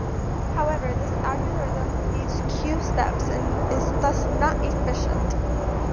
However this algorithm needs "q" steps and is thus not efficient.